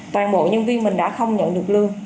toàn bộ nhân viên mình đã không nhận được lương